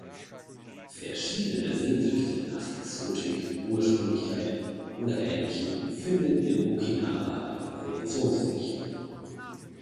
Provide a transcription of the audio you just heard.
Verschiedene Sehnsüchte nach Exotik, Ursprünglichkeit oder ähnlichem finden mit Okinawa eine Projektionsfläche.